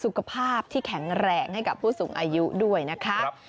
สุขภาพที่แข็งแรงให้กับผู้สูงอายุด้วยนะคะ